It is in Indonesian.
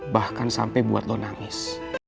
bahkan sampai buat lo nangis